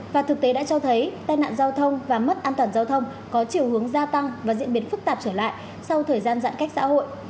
và thực tế đã cho thấy tai nạn giao thông và mất an toàn giao thông có chiều hướng gia tăng và diễn biến phức tạp trở lại sau thời gian giãn cách xã hội